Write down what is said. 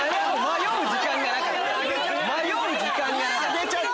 迷う時間がない。